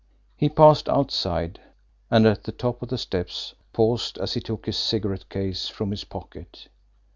He passed outside, and, at the top of the steps, paused as he took his cigarette case from his pocket.